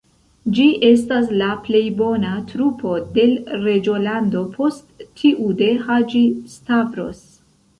Ĝi estas la plej bona trupo de l' reĝolando, post tiu de Haĝi-Stavros.